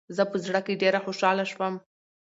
زه په زړه کې ډېره خوشحاله شوم .